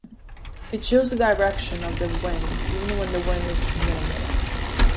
It shows the direction of the wind even when the wind is minimal.